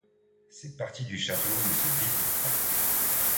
Ces parties du château ne se visitent pas.